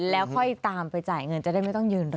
แล้วค่อยตามไปจ่ายเงินจะได้ไม่ต้องยืนรอ